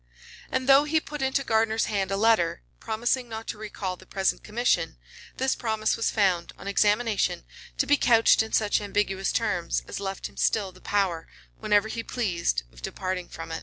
And though he put into Gardiner's hand a letter, promising not to recall the present commission, this promise was found, on examination, to be couched in such ambiguous terms, as left him still the power, whenever he pleased, of departing from it.